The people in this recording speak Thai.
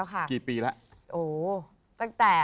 กี่ปีละ